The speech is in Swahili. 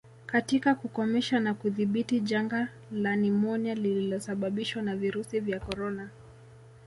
katika kukomesha na kudhibiti janga la nimonia lililosababishwa na virusi vya korona